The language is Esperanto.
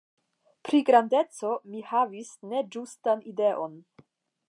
Pri grandeco mi havis neĝustan ideon.